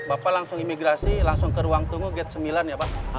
bapak langsung imigrasi langsung ke ruang tunggu gate sembilan ya pak